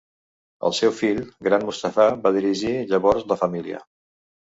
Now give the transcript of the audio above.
El seu fill gran Mustafà va dirigir llavors la família.